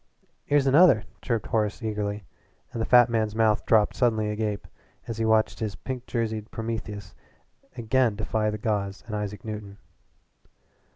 "Here's another," chirped Horace eagerly, and the fat man's mouth dropped suddenly agape as he watched this pink jerseyed Prometheus again defy the gods and Isaac Newton.